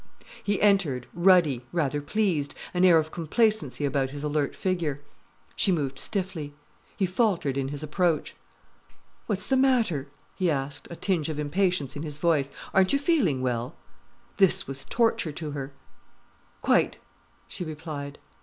He entered, ruddy, rather pleased, an air of complacency about his alert figure. She moved stiffly. He faltered in his approach. "What's the matter?" he asked a tinge of impatience in his voice. "Aren't you feeling well?" This was torture to her. "Quite," she replied.